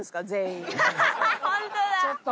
ホントだ！